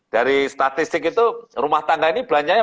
dari statistik itu rumah tangga ini belanjanya